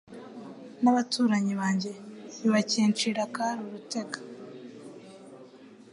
n’abaturanyi banjye ntibakincira akari urutega